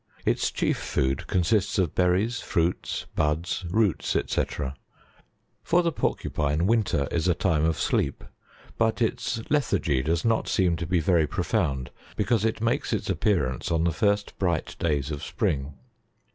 Its chief food consists of berries, fruits, buds, roots, &c. For the Porcupine winter is a time of sleep ; but its lethargy does not seem to be very pro found, because it makes its appearance on the first bright days of spring.